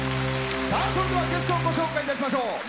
さあそれではゲストをご紹介いたしましょう。